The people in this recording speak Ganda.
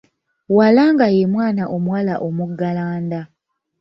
Walaanga ye mwana omuwala omuggalanda